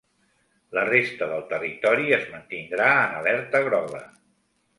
La resta del territori, es mantindrà en alerta groga.